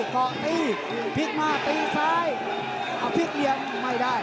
เกาะตีพลิกมาตีซ้ายเอาพลิกเหลี่ยมไม่ได้